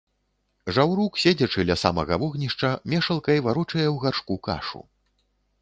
Жаўрук, седзячы ля самага вогнішча, мешалкай варочае ў гаршку кашу.